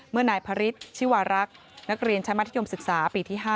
เมื่อนายพระฤทธิ์ชิวารักษ์นักเรียนชาวมัธยมศึกษาปีที่๕